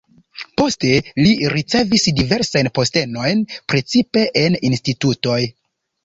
Poste li ricevis diversajn postenojn, precipe en institutoj.